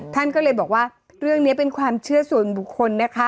ท่านก็เลยบอกว่าเรื่องนี้เป็นความเชื่อส่วนบุคคลนะคะ